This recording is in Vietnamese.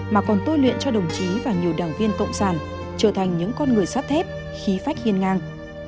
mà còn tôi luyện cho đồng chí và nhiều đảng viên cộng sản trở thành những con người sắt thép khí phách hiên ngang